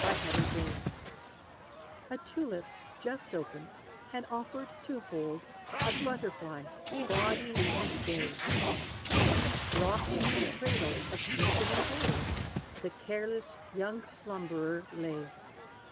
=The Butterfly's Dream= A tulip, just opened, had offered to hold A butterfly gaudy and gay; And rocked in his cradle of crimson and gold, The careless young slumberer lay.